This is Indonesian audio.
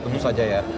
tentu saja ya